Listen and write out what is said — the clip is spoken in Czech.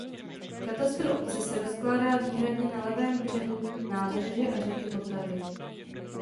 Katastr obce se rozkládá výhradně na levém břehu nádrže a řeky Vltavy.